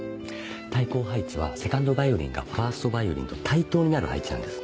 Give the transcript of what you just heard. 対向配置はセカンドヴァイオリンがファーストヴァイオリンと対等になる配置なんです。